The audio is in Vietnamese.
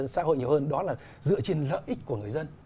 xã hội nhiều hơn đó là dựa trên lợi ích của người dân